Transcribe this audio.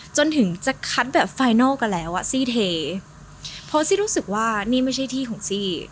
จนถึงจะคัดแบบไฟนัลกันแล้วอ่ะซี่เทเพราะซี่รู้สึกว่านี่ไม่ใช่ที่ของซี่